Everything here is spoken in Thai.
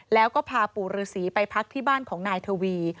แล้วก็พาปู่ฤษีไปพักที่บ้านของนายทวี